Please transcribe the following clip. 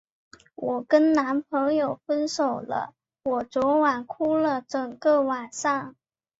我跟男朋友分手了，我昨天哭了整个晚上。